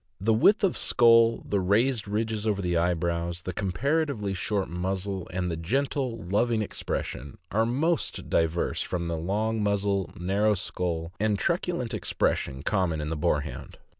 The width of skull, the raised ridges over the eyebrows, the comparatively short muzzle, and the gentle, loving expression, are most diverse from the long muzzle, narrow skull, and truculent expression common in the Boarhound.